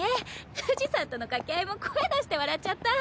藤さんとの掛け合いも声出して笑っちゃった。